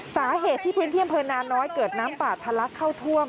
สาเหตุที่พื้นที่อำเภอนาน้อยเกิดน้ำป่าทะลักเข้าท่วม